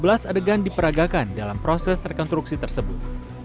dua belas adegan diperagakan dalam proses rekonstruksi tersebut